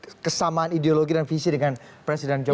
mereka punya kesamaan ideologi dan visi dengan presiden jokowi